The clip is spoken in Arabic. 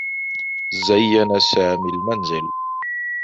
زيّن سامي المنزل.